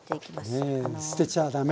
ねえ捨てちゃ駄目！